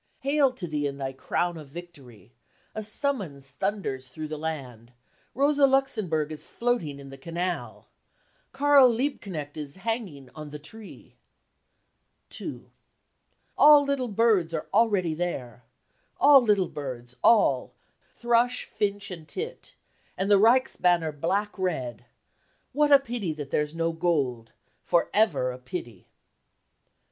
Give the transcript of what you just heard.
Hail to thee in thy crown of victory . A summons thunders through the land * Rosa Luxemburg is floating in the canal : Karl Liebknecht is hanging on the ... tree ! THE CAMPAIGN AGAINST CULTURE 179 2. All little birds are already there ! All little birds , all , Thrush, finch and tit And the Reichsbanner black red ... What ... a pity that there's no gold , For ever a pity !